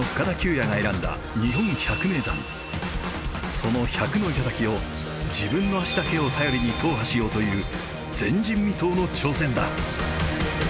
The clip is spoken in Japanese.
その１００の頂を自分の足だけを頼りに踏破しようという前人未到の挑戦だ。